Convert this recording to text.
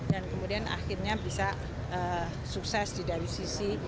dan kemudian akhirnya bisa sukses di dari sisi